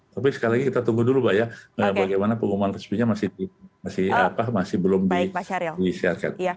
tapi sekali lagi kita tunggu dulu pak ya bagaimana pengumuman resminya masih belum disiarkan